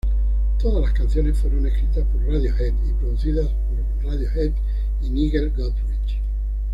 Todas las canciones fueron escritas por Radiohead y producidas por Radiohead y Nigel Godrich.